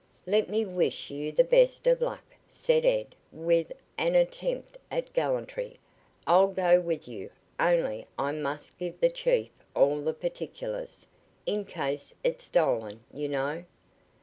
"Let me wish you the best of luck," said Ed with an attempt at gallantry. "I'd go with you, only I must give the chief all the particulars, in case it's stolen, you know.